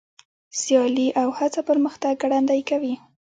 سیالي او هڅه پرمختګ ګړندی کوي.